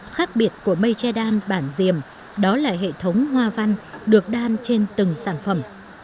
khác biệt của mây che đan bản diềm đó là hệ thống hoa văn được đan trên từng sản phẩm